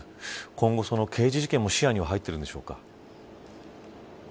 今後、刑事事件も視野に入っているんでしょうか。